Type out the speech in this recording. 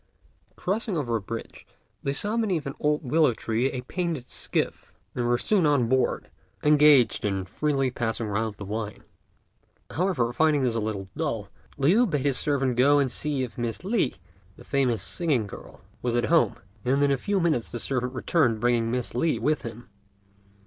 Crossing over a bridge, they saw beneath an old willow tree a little painted skiff, and were soon on board, engaged in freely passing round the wine. However, finding this a little dull, Liu bade his servant go and see if Miss Li, the famous singing girl, was at home; and in a few minutes the servant returned bringing Miss Li with him.